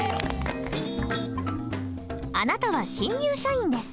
あなたは新入社員です。